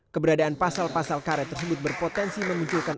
keberadaan pasal pasal karet tersebut berpotensi memunculkan